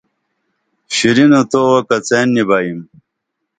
شِرینو تووہ کڅین نی بئیم